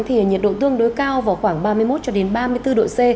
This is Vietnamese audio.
thì nhiệt độ tương đối cao vào khoảng ba mươi một ba mươi bốn độ c